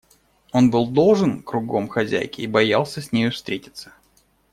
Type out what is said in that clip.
Он был должен кругом хозяйке и боялся с нею встретиться.